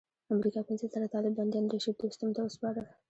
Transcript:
امریکا پنځه زره طالب بندیان رشید دوستم ته وسپارل.